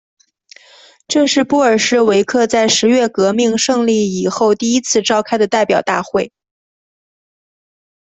这是布尔什维克在十月革命胜利以后第一次召开的代表大会。